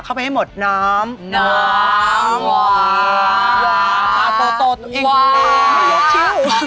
กล้วยน้ำวาวา